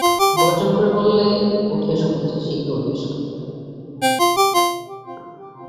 গর্জন করে বললে, উঠে এসো বলছি, শীঘ্র উঠে এসো।